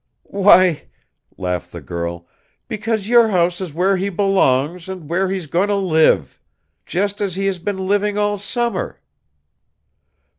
"Why," laughed the girl, "because your house is where he belongs and where he is going to live. Just as he has been living all summer."